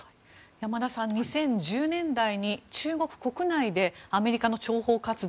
山田さん、２０１０年代に中国国内でアメリカの諜報活動